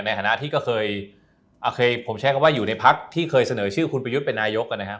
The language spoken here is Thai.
ในฐานะที่ก็เคยผมใช้คำว่าอยู่ในพักที่เคยเสนอชื่อคุณประยุทธ์เป็นนายกนะครับ